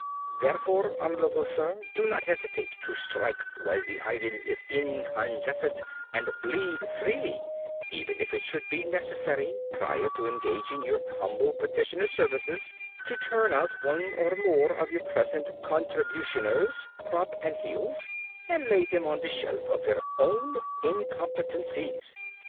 Therefore, Hon'ble Sir, do not hesitate to strike while the iron is incandescent and bleed freely, even if it should be necessary, prior to engaging your humble petitioner's services, to turn out one or more of your present contributioners crop and heels, and lay them on the shelf of their own incompetencies.